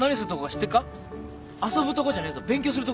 遊ぶとこじゃねえぞ勉強するとこだぞ。